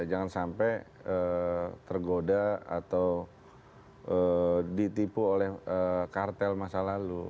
jangan sampai tergoda atau ditipu oleh kartel masa lalu